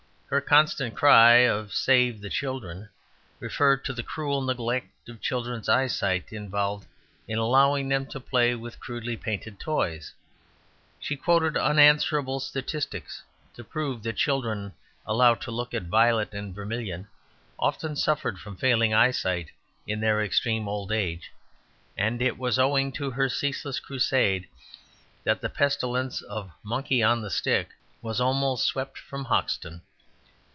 Her constant cry of "Save the children!" referred to the cruel neglect of children's eyesight involved in allowing them to play with crudely painted toys. She quoted unanswerable statistics to prove that children allowed to look at violet and vermilion often suffered from failing eyesight in their extreme old age; and it was owing to her ceaseless crusade that the pestilence of the Monkey on the Stick was almost swept from Hoxton.